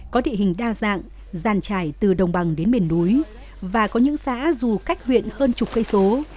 có địa hình đa dạng giàn trải từ đồng bằng đến miền núi và có những xã dù cách huyện hơn chục cây số